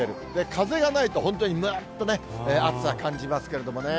風がないと、本当にむっとね、暑さ感じますけれどもね。